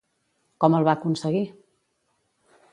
Com el va aconseguir?